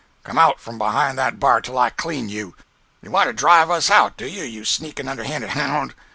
Come out from behind that bar till I clean you! You want to drive us out, do you, you sneakin' underhanded hound!